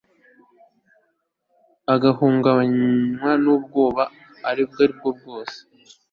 ugahungabanywa n'ubwoba ubwo ari bwo bwose